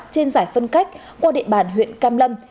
trên giải phân cách qua địa bàn huyện cam lâm